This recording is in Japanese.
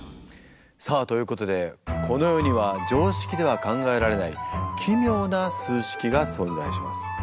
さあということでこの世には常識では考えられない奇妙な数式が存在します。